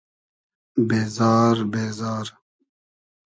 بېزار بېزار